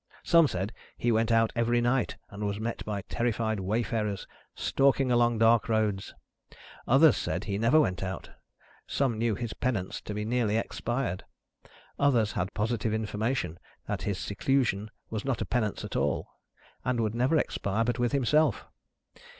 Some said he went out every night, and was met by terrified wayfarers stalking along dark roads, others said he never went out, some knew his penance to be nearly expired, others had positive information that his seclusion was not a penance at all, and would never expire but with himself.